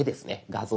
画像